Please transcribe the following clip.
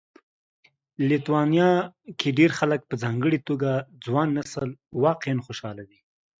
لیتوانیا کې ډېر خلک په ځانګړي توګه ځوان نسل واقعا خوشاله دي